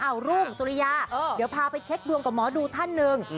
เอารุ่งสุริยาเดี๋ยวพาไปเช็คดวงกับหมอดูท่านหนึ่ง